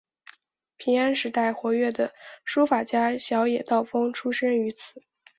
平安时代活跃的书法家小野道风出身于此。